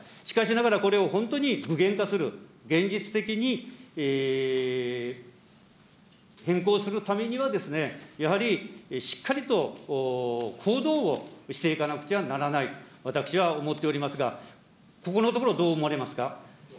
しかしながらこれを本当に具現化する、現実的に変更するためには、やはり、しっかりと行動をしていかなくてはならない、私は思っておりますが、ここのところ、どう思われますか。